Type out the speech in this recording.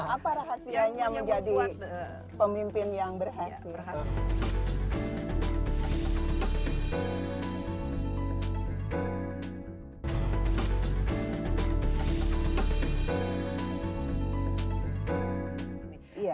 apa rahasianya menjadi pemimpin yang berhasil